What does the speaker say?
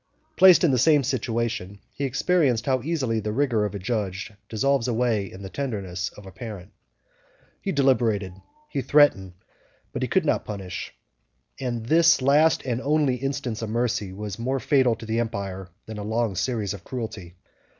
Placed in the same situation, he experienced how easily the rigor of a judge dissolves away in the tenderness of a parent. He deliberated, he threatened, but he could not punish; and this last and only instance of mercy was more fatal to the empire than a long series of cruelty.